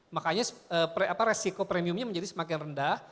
makanya resiko premiumnya menjadi semakin rendah